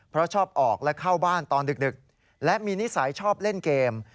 เพราะชอบออกและเข้าบ้านตอนดึกและมีนิสัยชอบเล่นเกม